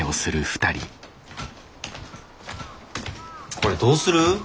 これどうする？